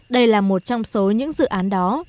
đây là một trong số những dự án đó